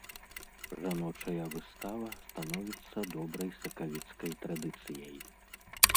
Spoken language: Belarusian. Жаночая выстава становіцца добрай сакавіцкай традыцыяй.